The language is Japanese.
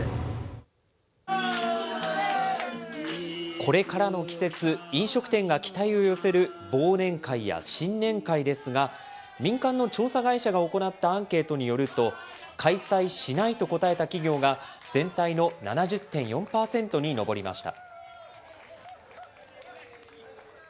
これからの季節、飲食店が期待を寄せる忘年会や新年会ですが、民間の調査会社が行ったアンケートによると、開催しないと答えた企業が、全体の７０．４％に上りました。